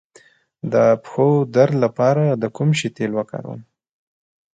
د پښو درد لپاره د کوم شي تېل وکاروم؟